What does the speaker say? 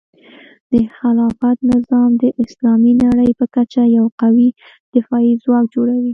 د خلافت نظام د اسلامي نړۍ په کچه یو قوي دفاعي ځواک جوړوي.